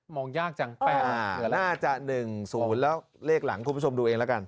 มองยากจังอ่าน่าจะหนึ่งศูนย์แล้วเลขหลังคุณผู้ชมดูเองแล้วกัน